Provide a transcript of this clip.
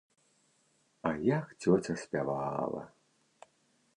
А як цёця спявала?